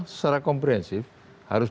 secara komprehensif harus